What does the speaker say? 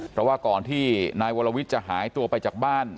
เพราะว่าก่อนที่นายวรวิทย์จะหายตัวไปจากบ้าน